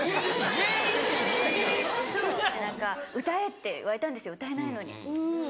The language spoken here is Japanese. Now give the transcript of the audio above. そう何か「歌え！」って言われたんですよ歌えないのに。